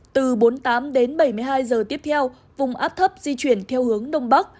từ bốn mươi tám đến bảy mươi hai giờ tiếp theo vùng áp thấp di chuyển theo hướng đông bắc